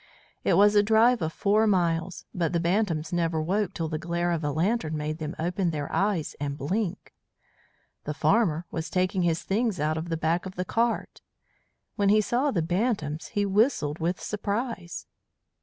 It was a drive of four miles, but the bantams never woke till the glare of a lantern made them open their eyes and blink. The farmer was taking his things out of the back of the cart. When he saw the bantams he whistled with surprise.